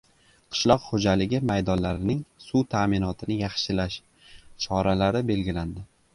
Qishloq xo‘jaligi maydonlarining suv ta’minotini yaxshilash choralari belgilandi